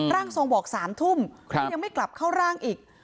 ร่างทรงบอก๓ทุ่มก็ยังไม่กลับเข้าร่างอีก